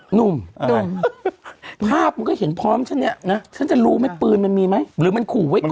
โอ้นุ่มภาพมันก็เห็นพร้อมฉันนี่นะฉันจะรู้ไหมปืนมันมีไหมหรือมัน